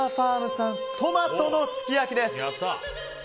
産トマトのすき焼きです。